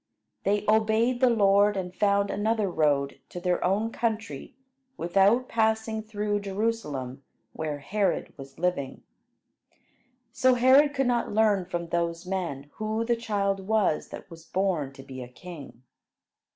They obeyed the Lord, and found another road to their own country without passing through Jerusalem where Herod was living. So Herod could not learn from those men who the child was that was born to be a king.